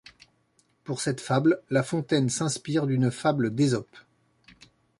Pour cette Fable, La Fontaine s'inspire d'une fable d'Ésope.